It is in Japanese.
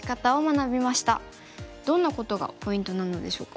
どんなことがポイントなのでしょうか。